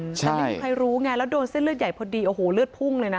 แต่ไม่มีใครรู้ไงแล้วโดนเส้นเลือดใหญ่พอดีโอ้โหเลือดพุ่งเลยนะ